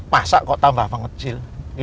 pasak kok tambah pengecil